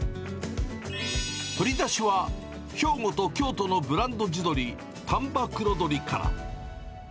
鶏だしは兵庫と京都のブランド地鶏、丹波黒どりから。